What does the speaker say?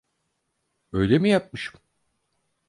Öyle mi yapmışım?